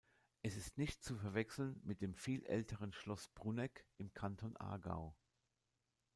Es ist nicht zu verwechseln mit dem viel älteren Schloss Brunegg im Kanton Aargau.